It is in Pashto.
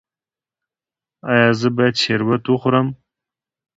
ایا زه باید شربت وخورم؟